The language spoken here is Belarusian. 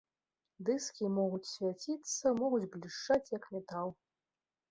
Дыскі могуць свяціцца, могуць блішчаць, як метал.